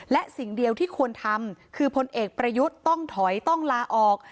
และสิ่งเดียวที่ควรทำคือพลเอกประยุทธ์ต้องถอยต้องลาออก